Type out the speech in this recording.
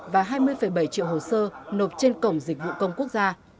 và hai mươi bảy triệu hồ sơ nộp trên cổng dịch vụ công quốc gia